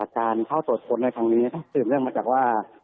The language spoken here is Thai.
การเข้าสวดสนในครั้งนี้มีเรื่องมาจากว่า